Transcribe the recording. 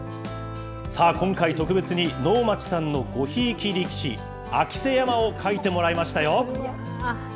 さあ今回、特別に能町さんのごひいき力士、明瀬山を書いてもらいましたよ。